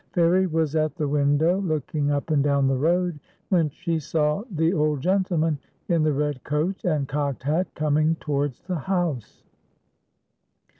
Fairie was at the window, looking up and down the road, when she saw the old gentleman in the red coat and cocked hat coming towards the house.